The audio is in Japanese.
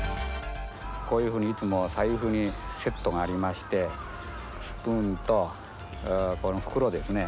こういうふうにいつも財布にセットがありましてスプーンとこの袋ですね。